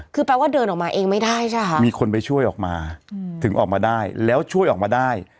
คือแปลว่าเดินออกมาเองไม่ได้ใช่ค่ะมีคนไปช่วยออกมาถึงออกมาได้แล้วช่วยออกมาได้